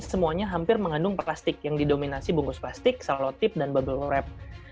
semuanya hampir mengandung plastik yang didominasi bungkus plastik selotip dan bubble wrap